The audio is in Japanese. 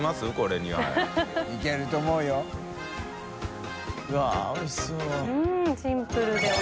うわっおいしそう。